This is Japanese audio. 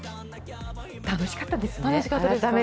いやー、楽しかったですね。